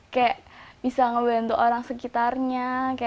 kayak bisa ngebantu orang sekitarnya